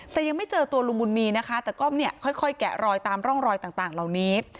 แต่ยังไม่เจอตัวลุงบุญมีนะคะแต่ก็เนี่ยค่อยแกะรอยตามร่องรอยต่างเหล่านี้